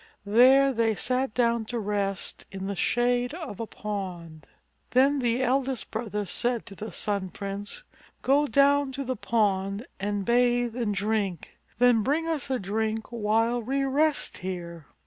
There they sat down to rest in the shade of a pond. Then the eldest brother said to Sun Prince, "Go down to the pond and bathe and drink. Then bring us a drink while we rest here."